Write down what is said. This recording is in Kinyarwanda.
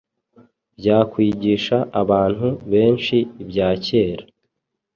byakwigisha abantu benshi ibyakera